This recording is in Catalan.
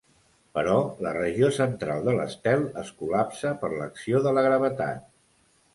Però la regió central de l'estel es col·lapsa per l'acció de la gravetat.